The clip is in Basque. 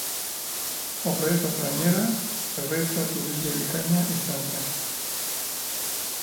Horrezaz gainera, erretratugile bikaina izan zen.